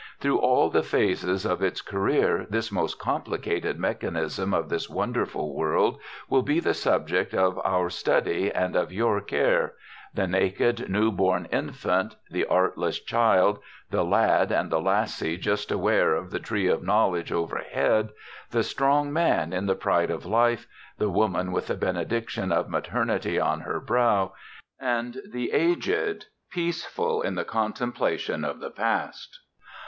Through all the phases of its career this most complicated mechanism of this wonderful world will be the subject of our study and of your care the naked, new born infant, the artless child, the lad and the lassie just aware of the tree of knowledge overhead, the strong man in the pride of life, the woman with the benediction of maternity on her brow, and the aged, peaceful in the contemplation of the past.